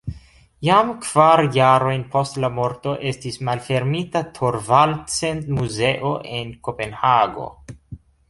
Jam kvar jarojn post la morto estis malfermita Thorvaldsen-muzeo en Kopenhago.